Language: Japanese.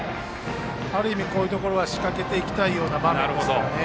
ある意味、こういうところは仕掛けていきたい場面ですね。